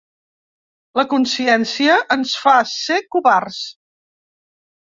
La consciència ens fa ser covards.